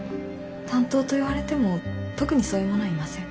担当と言われても特にそういう者はいません。